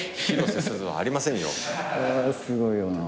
すごいよな。